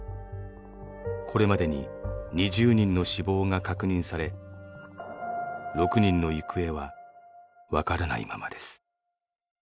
これまでに２０人の死亡が確認され６人の行方はわからないままです。